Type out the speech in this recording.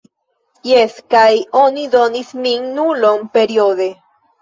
Jes, kaj oni donis min nulon periode